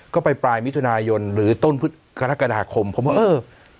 ก็ไปปลายมิถุนายนหรือต้นกรกฎาคมผมว่าเออ